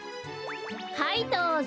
はいどうぞ。